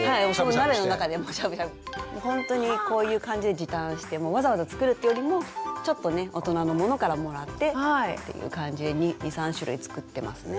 ほんとにこういう感じで時短してわざわざ作るというよりもちょっとね大人のものからもらってという感じで２３種類作ってますね。